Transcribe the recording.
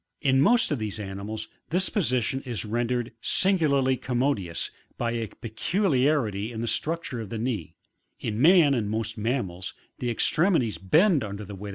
In most of these animals this position is rendered singularly commodious by a peculiarity in the structure of the knee ; in man and most ani mals, the extremities bend under the weight of the body the 19.